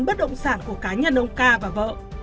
bất động sản của cá nhân ông ca và vợ